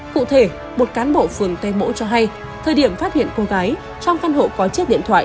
cụ thể một cán bộ phường tây mỗ cho hay thời điểm phát hiện cô gái trong căn hộ có chiếc điện thoại